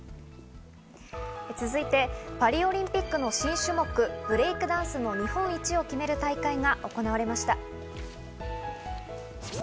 続いて、パリオリンピックの新種目、ブレイクダンスの日本一を決める大会が行われました。